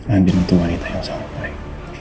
andi itu wanita yang sangat baik